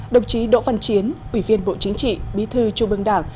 đồng chí đỗ văn chiến ủy viên bộ chính trị bí thư trung ương đảng